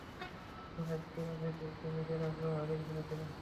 তিনি রাজ্য রাজনীতিতে নিজের আগ্রহ হারিয়ে ফেলেছিলেন।